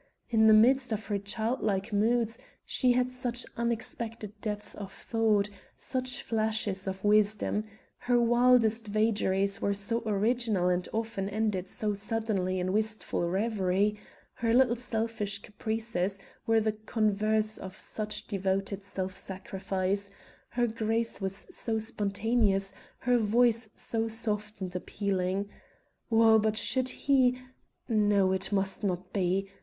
In the midst of her childlike moods she had such unexpected depth of thought, such flashes of wisdom; her wildest vagaries were so original and often ended so suddenly in wistful reverie; her little selfish caprices were the converse of such devoted self sacrifice; her grace was so spontaneous, her voice so soft and appealing ... Well, but should he?... No, it must not be.